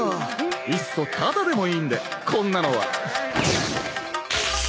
いっそタダでもいいんでこんなのは。